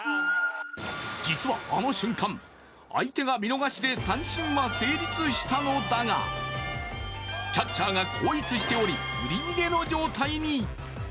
実はあの瞬間、相手が見逃しで三振は成立したのだがキャッチャーが後逸しており振り逃げの状態に。